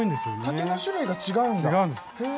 竹の種類が違うんだ。